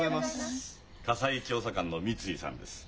家裁調査官の三井さんです。